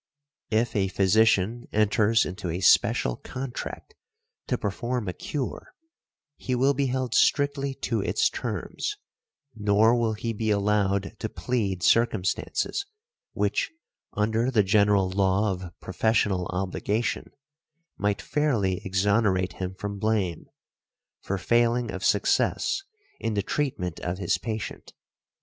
|25| If a physician enters into a special contract to perform a cure he will be held strictly to its terms, nor will he be allowed to plead circumstances, which, under the general law of professional obligation, might fairly exonerate him from blame, for failing of success in the treatment of his patient.